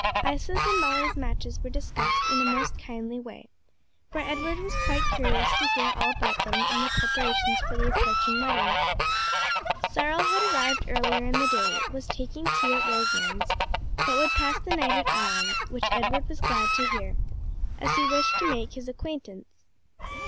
Isa's and Molly's matches were discussed in a most kindly way, for Edward was quite curious to hear all about them and the preparations for the approaching wedding. Cyril had arrived earlier in the day, was taking tea at Roselands, but would pass the night at Ion, which Edward was glad to hear, as he wished to make his acquaintance.